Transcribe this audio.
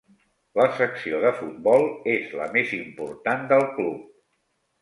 La secció de futbol és la més important del club.